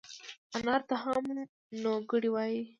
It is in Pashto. انار ته هم نووګوړه وای